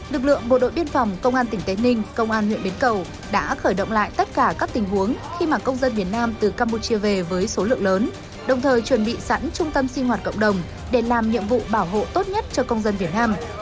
lực lượng bộ đội biên phòng công an tỉnh tây ninh công an huyện bến cầu đã khởi động lại tất cả các tình huống khi mà công dân việt nam từ campuchia về với số lượng lớn đồng thời chuẩn bị sẵn trung tâm sinh hoạt cộng đồng để làm nhiệm vụ bảo hộ tốt nhất cho công dân việt nam